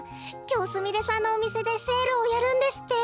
きょうすみれさんのおみせでセールをやるんですって。